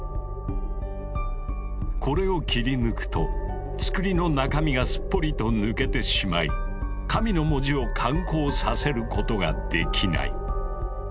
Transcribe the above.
これを切り抜くと「つくり」の中身がすっぽりと抜けてしまい「神」の文字を感光させることができない。